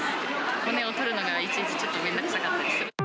骨を取るのがいちいちちょっと面倒くさかったりする。